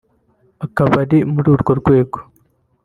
Akaba ari muri urwo rwego